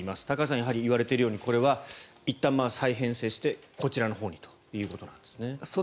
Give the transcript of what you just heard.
高橋さん、言われているようにこれはいったん再編成してこちらのほうにということですね。